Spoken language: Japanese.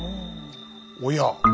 おや！